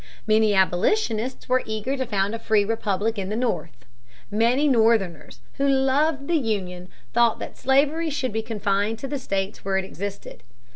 Many abolitionists were eager to found a free republic in the North. Many Northerners, who loved the Union, thought that slavery should be confined to the states where it existed.